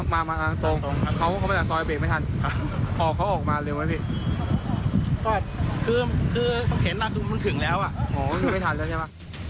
อ๋อไม่ทันแล้วใช่ไหม